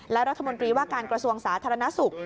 และรัฐมนตรีว่าการกระทรวงสาธารณสุข